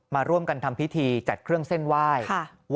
มาร่วมกันทำพิธีจัดเครื่องเส้นไหว้